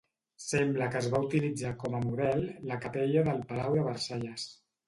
Sembla que es va utilitzar com a model, la capella del palau de Versalles.